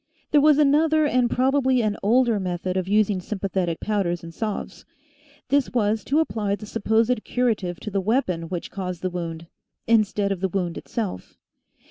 There was another and probably an older method of using sympathetic powders and salves ; this was to apply the supposed curative to the weapon which caused the wound, instead of the wound itself.